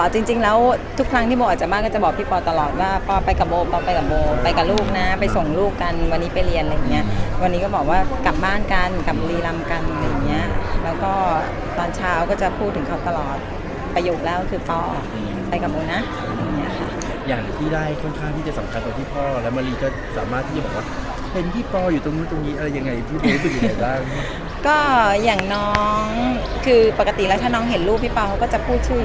จริงแล้วทุกครั้งที่โมอาจจะมาก็จะบอกพี่ปอตลอดว่าปอไปกับโบปอไปกับโบไปกับลูกนะไปส่งลูกกันวันนี้ไปเรียนอะไรอย่างนี้วันนี้ก็บอกว่ากลับบ้านกันกลับรีรำกันอะไรอย่างนี้แล้วก็ตอนเช้าก็จะพูดถึงเขาตลอดประยุกต์แล้วคือปอไปกับโมนะอย่างที่ไล่ค่อนข้างที่จะสำคัญต่อพี่ปอแล้วมะลิก็ส